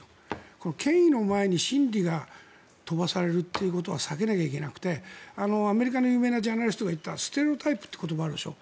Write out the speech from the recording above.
この権威の前に真理が飛ばされるということは避けなければいけなくてアメリカの有名なジャーナリストが言ったステレオタイプという言葉があるでしょ。